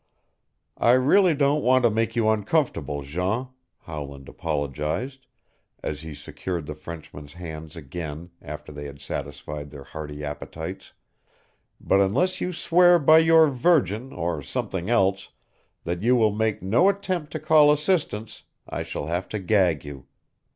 "I really don't want to make you uncomfortable, Jean," Howland apologized, as he secured the Frenchman's hands again after they had satisfied their hearty appetites, "but unless you swear by your Virgin or something else that you will make no attempt to call assistance I shall have to gag you.